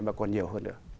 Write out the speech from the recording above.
mà còn nhiều hơn nữa